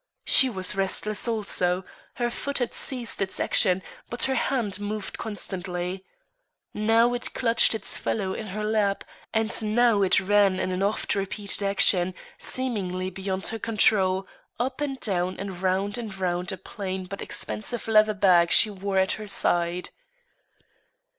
She was restless also; her foot had ceased its action, but her hand moved constantly. Now it clutched its fellow in her lap, and now it ran in an oft repeated action, seemingly beyond her control, up and down and round and round a plain but expensive leather bag she wore at her side.